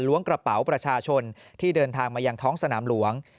กระเป๋าประชาชนที่เดินทางมายังท้องสนามหลวง